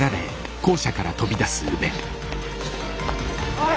おい！